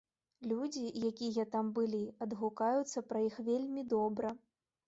Людзі, якія там былі, адгукаюцца пра іх вельмі добра.